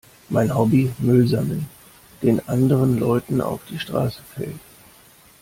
Mein Hobby? Müll sammeln, den anderen Leuten auf die Straße fällt.